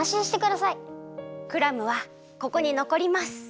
クラムはここにのこります。